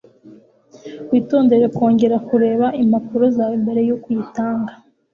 Witondere kongera kureba impapuro zawe mbere yuko uyitanga.